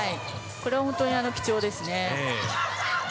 これは本当に貴重ですね。